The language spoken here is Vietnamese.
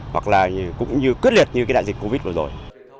hoặc là cũng như quyết liệt như cái đại dịch covid vừa rồi